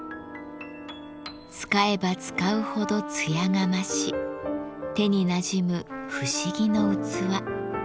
使えば使うほど艶が増し手になじむ不思議の器。